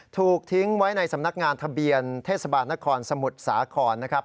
ถูกทิ้งไว้ในสำนักงานทะเบียนเทศบาลนครสมุทรสาครนะครับ